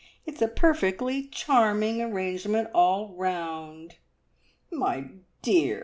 It's a perfectly charming arrangement all round!" "My dear!"